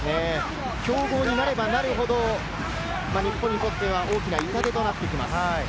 強豪になればなるほど、日本にとっては大きな痛手となってきます。